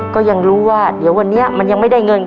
ก็ยังรู้ว่าเดี๋ยววันนี้มันยังไม่ได้เงิน